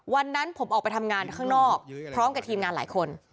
วันนั้นผมออกไปทำงานข้างนอกพร้อมกับทีมงานหลายคน